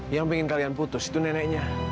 yang pengen kalian putus itu neneknya